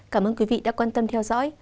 cảm ơn quý vị đã quan tâm theo dõi